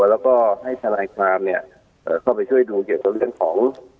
แล้วก็ให้ทนายความเข้าไปช่วยดูเกี่ยวกับเรื่องของ